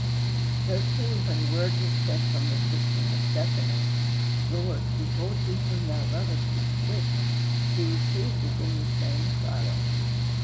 So, too, when word was sent from the sisters of Bethany, "Lord, behold he whom thou lovest is sick," he received it in the same silence.